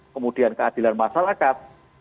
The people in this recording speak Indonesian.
kemudian keadilan masyarakat